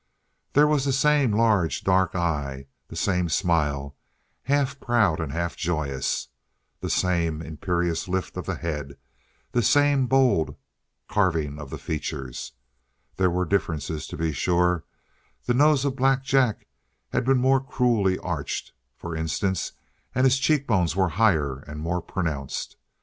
There was the same large, dark eye; the same smile, half proud and half joyous; the same imperious lift of the head; the same bold carving of the features. There were differences, to be sure. The nose of Black Jack had been more cruelly arched, for instance, and his cheekbones were higher and more pronounced.